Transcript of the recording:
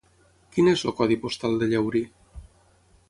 Quin és el codi postal de Llaurí?